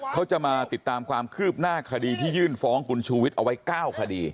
เขาจะมาติดตามความคืบหน้าคดีที่ยื่นฟ้องคุณชูวิทย์เอาไว้๙คดี